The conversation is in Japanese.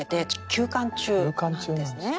休館中なんですか。